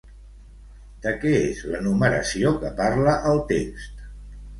De què és l'enumeració que parla el text?